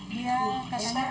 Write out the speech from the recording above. bapak di kapal